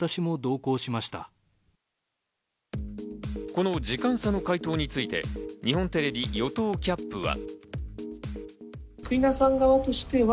この時間差の回答について、日本テレビ与党キャップは。